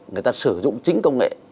người ta sử dụng chính công nghệ